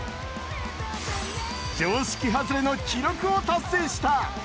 常識外れの記録を達成した。